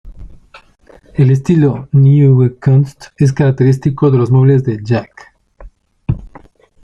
El estilo "nieuwe kunst" es característico de los muebles de Jac.